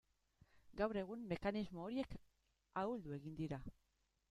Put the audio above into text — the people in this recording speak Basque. Gaur egun mekanismo horiek ahuldu egin dira.